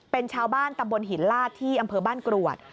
เป็นชาวบ้านตำบลหินลาดที่อำเภอบ้านกรวด